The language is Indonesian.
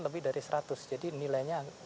lebih dari seratus jadi nilainya